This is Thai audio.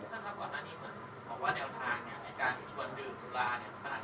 ท่านครับก่อนหน้านี้เหมือนบอกว่าแนวทางเนี่ยในการชวนดื่มสุราเนี่ย